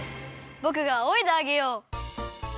ぼくがあおいであげよう。